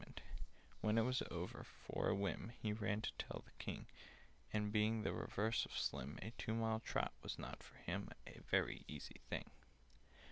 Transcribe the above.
[Picture: He ran to tell the King] "When it was over, for a whim, He ran to tell the King; And being the reverse of slim, A two mile trot was not for him A very easy thing.